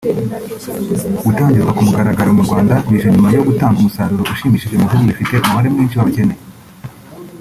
Gutangizwa ku mugaragaro mu Rwanda bije nyuma yo gutanga umusaruro ushimishije mu bihugu bifite umubare mwinshi w’abakene